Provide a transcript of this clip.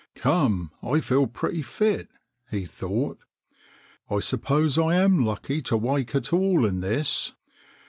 " Come, I feel pretty fit," he thought. " I suppose I am lucky to wake at all in this.